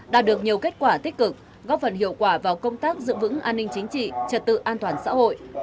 đạt được nhiều kết quả tích cực góp phần hiệu quả vào công tác giữ vững an ninh chính trị trật tự an toàn xã hội